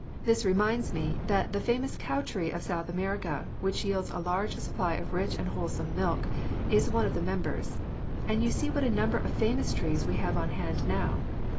This reminds me that the famous cow tree of South America, which yields a large supply of rich and wholesome milk, is one of the members; and you see what a number of famous trees we have on hand now.